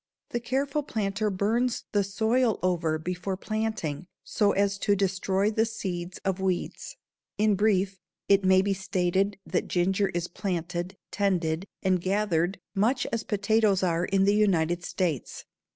The careful planter burns the soil over before planting so as to destroy the seeds of weeds. In brief it may be stated that ginger is planted, tended, and gathered much as potatoes are in the United States.